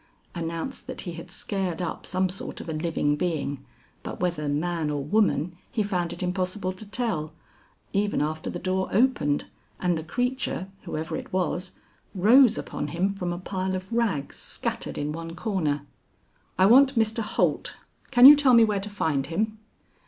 announced that he had scared up some sort of a living being, but whether man or woman he found it impossible to tell, even after the door opened and the creature, whoever it was, rose upon him from a pile of rags scattered in one corner. "I want Mr. Holt; can you tell me where to find him?"